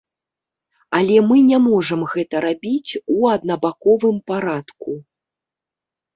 Але мы не можам гэта рабіць у аднабаковым парадку.